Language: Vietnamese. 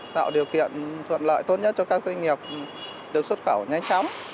tạo điều kiện thuận lợi tốt nhất cho các doanh nghiệp được xuất khẩu nhanh chóng